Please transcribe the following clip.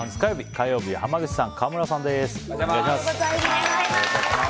火曜日は濱口さん、川村さんです。